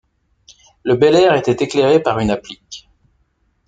Le Bel-Air était éclairé par une applique.